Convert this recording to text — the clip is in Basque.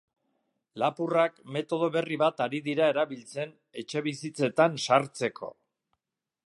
Lapurrak metodo berri bat ari dira erabiltzen etxebizitzetan sartzeko.